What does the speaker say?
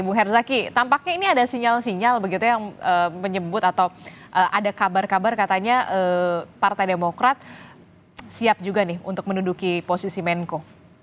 bu herzaki tampaknya ini ada sinyal sinyal begitu yang menyebut atau ada kabar kabar katanya partai demokrat siap juga nih untuk menduduki posisi menko